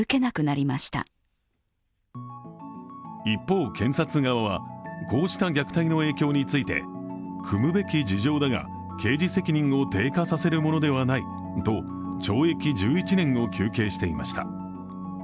一方、検察側は、こうした虐待の影響についてくむべき事情だが刑事責任を低下させるものではないと懲役１１年を求刑していました。